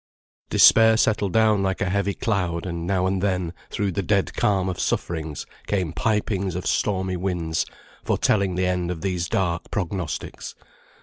Despair settled down like a heavy cloud; and now and then, through the dead calm of sufferings, came pipings of stormy winds, foretelling the end of these dark prognostics.